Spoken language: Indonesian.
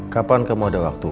kapan kamu ada waktu